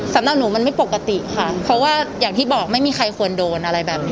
สำหรับหนูมันไม่ปกติค่ะเพราะว่าอย่างที่บอกไม่มีใครควรโดนอะไรแบบนี้